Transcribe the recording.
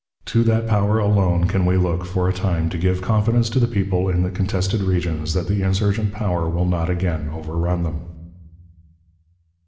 To that power alone can we look, for a time, to give confidence to the people in the contested regions that the insurgent power will not again overrun them."